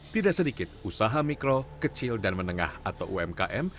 tidak sedikit usaha mikro kecil dan menengah atau umkm